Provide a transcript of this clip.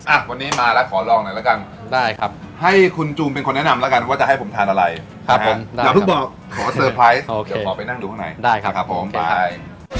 อ่ะวันนี้มาแล้วขอลองหน่อยละกันให้คุณจูมเป็นคนแนะนำละกันว่าจะให้ผมทานอะไรอย่าเพิ่งบอกขอเซอร์ไพรส์เดี๋ยวขอไปนั่งดูข้างในครับผมบ๊าย